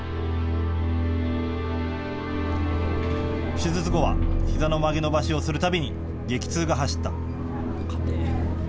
手術後はひざの曲げ伸ばしをするたびに激痛が走った。